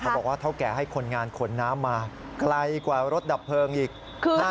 บอกว่าเท่าแก่ให้คนงานขนน้ำมาไกลกว่ารถดับเพลิงอีก